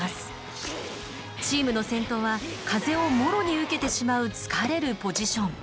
チームの先頭は風をもろに受けてしまう疲れるポジション。